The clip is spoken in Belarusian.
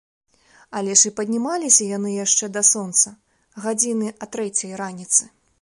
Але ж і паднімаліся яны яшчэ да сонца, гадзіны а трэцяй раніцы.